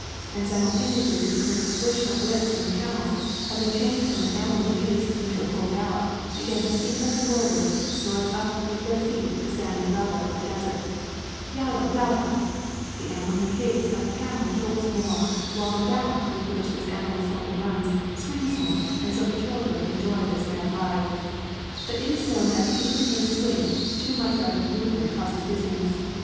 And simultaneously could be heard the swish of whips and the camels, having changed from an ambling pace into a full gallop, began to speed like the whirlwind, throwing up with their feet the sand and gravel of the desert. "Yalla! Yalla!" The ambling pace of a camel jolts more, while the gallop with which this animal seldom runs, swings more; so the children enjoyed this mad ride. But it is known that even in a swing, too much rapid movement causes dizziness.